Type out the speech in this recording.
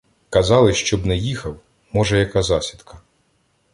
Казали, щоб не їхав, може, яка засідка.